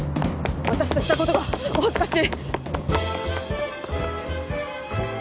私とした事がお恥ずかしい！